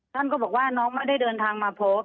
ท่านก็บอกว่าน้องไม่ได้เดินทางมาพบ